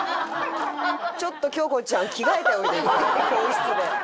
ちょっと京子ちゃん着替えておいで更衣室で。